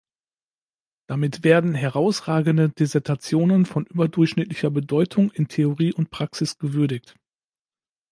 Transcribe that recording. Damit werden herausragende Dissertationen von überdurchschnittlicher Bedeutung in Theorie und Praxis gewürdigt.